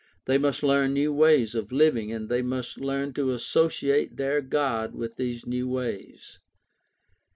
They must learn new ways of living and they must learn to associate their God with these new ways.